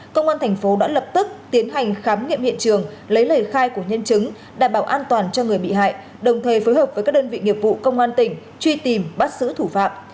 công an thành phố đã lập tức tiến hành khám nghiệm hiện trường lấy lời khai của nhân chứng đảm bảo an toàn cho người bị hại đồng thời phối hợp với các đơn vị nghiệp vụ công an tỉnh truy tìm bắt xử thủ phạm